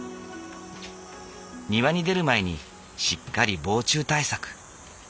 庭に出る前にしっかり防虫対策。